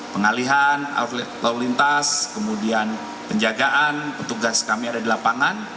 pengalihan lalu lintas kemudian penjagaan petugas kami ada di lapangan